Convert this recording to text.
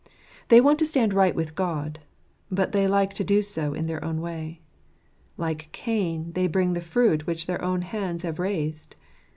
I They want to stand right with God ; but they like to do so in their own way. Like Cain, they bring the fruit which their own hands have raised.